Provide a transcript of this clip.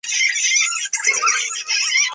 In Albania there are too many beautiful places.